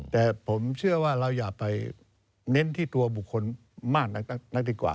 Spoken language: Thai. แต่ผมเชื่อว่าเราอย่าไปเน้นที่ตัวบุคคลมากนักดีกว่า